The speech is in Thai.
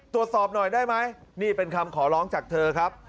ตรวจสอบหน่อยได้ไหมนี่เป็นคำขอร้องจากเธอครับ